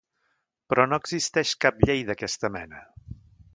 Però no existeix cap llei d'aquesta mena.